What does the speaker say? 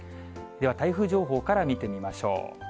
では、台風情報から見てみましょう。